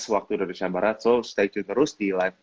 waktu indonesia barat so stay to terus di live